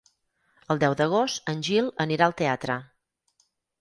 El deu d'agost en Gil anirà al teatre.